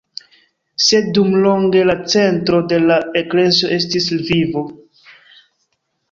Sed dumlonge la centro de la eklezio estis Lvivo.